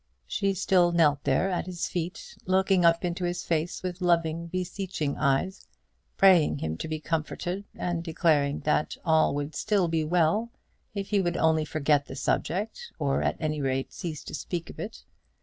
She still knelt there at his feet, looking up into his face with loving, beseeching eyes, praying him to be comforted, and declaring that all would still be well if he would only forget the subject, or, at any rate, cease to speak of it.